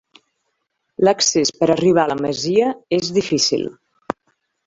L'accés per arribar a la masia és difícil.